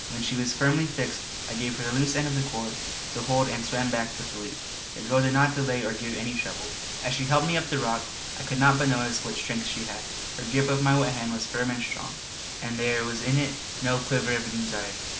When she was firmly fixed I gave her the loose end of the cord to hold and swam back with the loop. The girl did not delay or give any trouble. As she helped me up the rock I could not but notice what strength she had; her grip of my wet hand was firm and strong, and there was in it no quiver of anxiety.